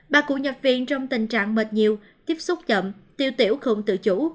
bà cụ nhập viện trong tình trạng mệt nhiều tiếp xúc chậm tiêu tiểu không tự chủ